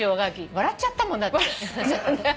笑っちゃったもんだって。